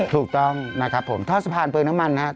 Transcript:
ถูกต้องนะครับผมถ้าสะพานเปลืองน้ำมันนะครับ